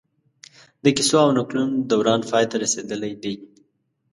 د کيسو او نکلونو دوران پای ته رسېدلی دی